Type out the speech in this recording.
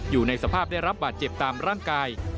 อยู่ในสภาพได้รับบาดเจ็บตามร่างกาย